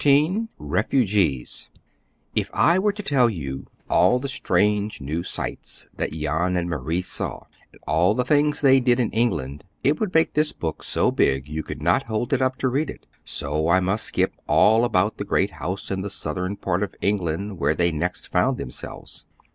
XIII REFUGEES If I were to tell you all the strange new sights that Jan and Marie saw, and all the things they did in England, it would make this book so big you could not hold it up to read it, so I must skip all about the great house in the southern part of England where they next found themselves.